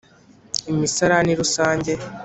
imisarani rusange